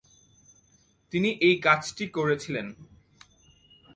তিনি এই কাজটি করেছিলেন।